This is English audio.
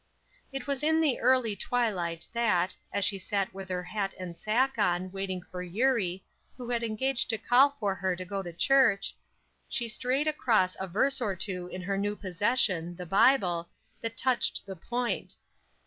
It was in the early twilight that, as she sat with her hat and sack on, waiting for Eurie, who had engaged to call for her to go to church, she strayed across a verse or two in her new possession, the Bible, that touched the point.